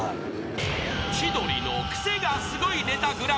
［『千鳥のクセがスゴいネタＧＰ』］